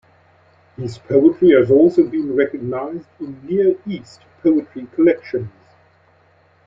His poetry has also been recognized in Near East poetry collections.